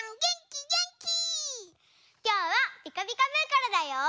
きょうは「ピカピカブ！」からだよ。